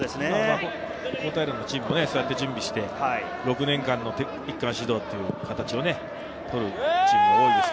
高体連のチームもそうやって準備をして、６年間の一貫指導という形をとるチームが多いですよ。